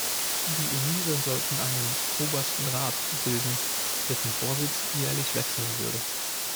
Die Emire sollten einen "Obersten Rat" bilden, dessen Vorsitz jährlich wechseln würde.